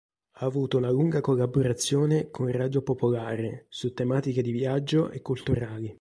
Ha avuto una lunga collaborazione con Radio Popolare su tematiche di viaggio e culturali.